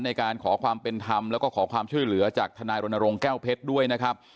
ในการขอความเป็นธรรมแล้วก็ขอความช่วยเหลือจากทนายรณรงค์แก้วเพชรด้วยนะครับ